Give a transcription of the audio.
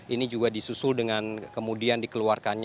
ini juga disusul dengan kemudian dikeluarkannya